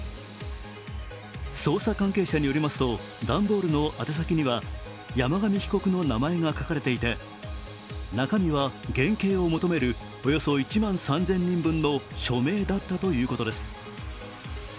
捜査関係者によりますと段ボールの宛先には山上被告の名前が書かれていて、中身は減軽を求めるおよそ１万３０００人分の署名だったということです。